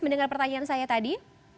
mendengar pertanyaan saya tadi